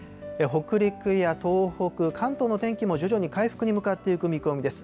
北陸や東北、関東の天気も徐々に回復に向かっていく見込みです。